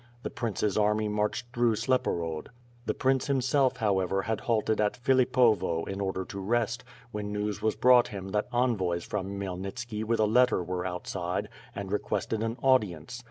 The prince's army marched through Sleporod; the prince himself, however, had halted at Philipovo in order to rest, when news was brought him that envoys from Khmyelnitski with a letter were outside, and requested an audience.